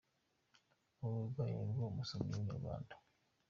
Ubu burwayi nibwo umusomyi wa inyarwanda.